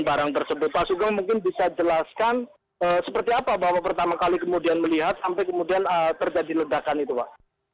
pak sugeng mungkin bisa jelaskan seperti apa bapak pertama kali kemudian melihat sampai kemudian terjadi ledakan itu pak